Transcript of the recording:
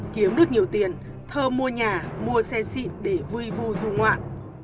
kiếm được nhiều tiền thơm mua nhà mua xe xịn để vui vu du ngoạn